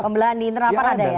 pembelahan di internal pan ada ya